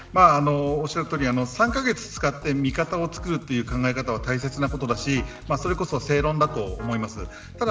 おっしゃるとおり、３カ月使って味方をつくるという考え方は大切なことだし正論だと思います。